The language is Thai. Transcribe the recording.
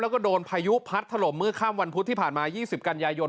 แล้วก็โดนพายุพัดถล่มเมื่อค่ำวันพุธที่ผ่านมา๒๐กันยายน